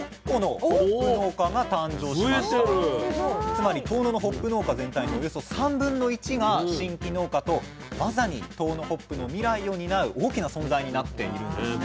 つまり遠野のホップ農家全体のおよそ３分の１が新規農家とまさに遠野ホップの未来を担う大きな存在になっているんですね。